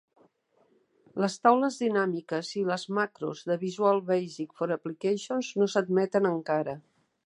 Les taules dinàmiques i les macros de Visual Basic for Applications no s'admeten encara.